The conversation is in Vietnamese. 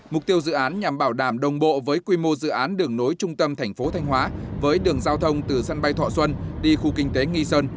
mục tiêu dự án nhằm bảo đảm đồng bộ với quy mô dự án đường nối trung tâm thành phố thanh hóa với đường giao thông từ sân bay thọ xuân đi khu kinh tế nghi sơn